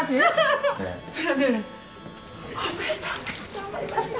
頑張りました！